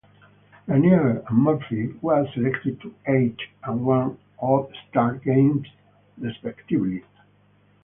Lanier and Murphy were selected to eight and one All-Star Games respectively.